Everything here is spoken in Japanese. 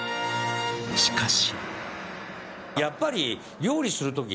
しかし。